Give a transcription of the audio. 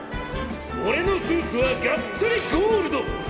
俺のスーツはガッツリゴールド！